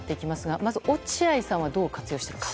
まず落合さんはどう活用していますか。